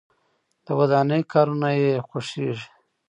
د ودانۍ کارونه یې خوښیږي.